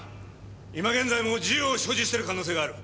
今現在も銃を所持してる可能性がある。